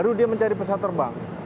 baru dia mencari pesawat terbang